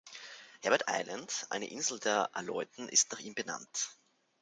Herbert Island, eine Insel der Aleuten, ist nach ihm benannt.